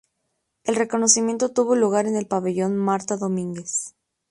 El reconocimiento tuvo lugar en el Pabellón Marta Domínguez.